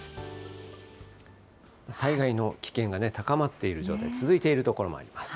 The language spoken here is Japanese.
災害の危険が高まっている状態、続いている所もあります。